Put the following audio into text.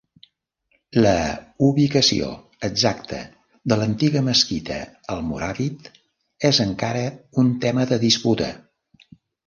La ubicació exacta de l'antiga mesquita almoràvit és encara un tema de disputa.